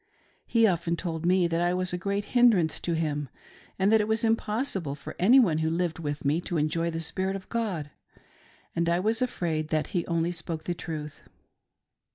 He often told me that I was a great hindrance to him, and that it was impossible for any one who lived with me to enjoy the Spirit of God, — and I was afraid that he only spoke the truth.